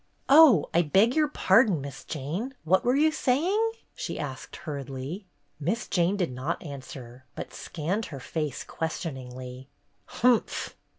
"Oh, I beg your pardon. Miss Jane. What were you saying ?" she asked hurriedly. Miss Jane did not answer, but scanned her face questioningly. "Humph!"